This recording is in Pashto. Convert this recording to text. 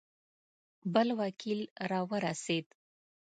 بل وکیل را ورسېد.